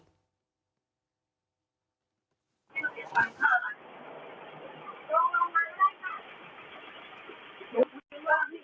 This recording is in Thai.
จ่ายค่าอะไรลงลงมาได้ไหม